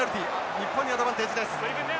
日本にアドバンテージです。